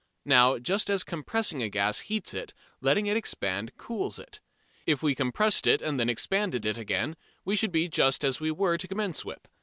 Now just as compressing a gas heats it, letting it expand cools it. If we compressed it and then expanded it again we should be just as we were to commence with.